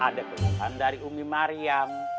ada keluhan dari umi mariam